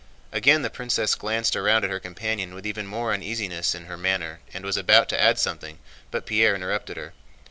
Again the princess glanced round at her companion with even more uneasiness in her manner and was about to add something, but Pierre interrupted her.